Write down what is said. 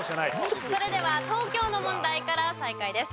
それでは東京の問題から再開です。